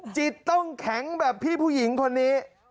จิตต้องแข็งแบบพี่ผู้หญิงคนนี้